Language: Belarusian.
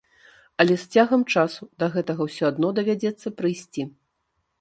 Але з цягам часу да гэтага ўсё адно давядзецца прыйсці.